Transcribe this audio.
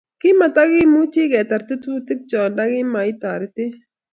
kimatakimuchi ketar tetutikcho, ntokima itoretech